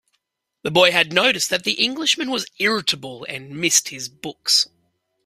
The boy had noticed that the Englishman was irritable, and missed his books.